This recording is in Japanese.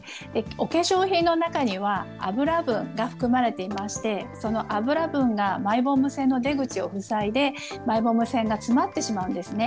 お化粧品の中には、油分が含まれていまして、その油分がマイボーム腺の出口を塞いで、マイボーム腺が詰まってしまうんですね。